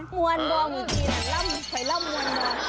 มวนดอหมูกินล้ำหมูไข่ล้ำมวนดอ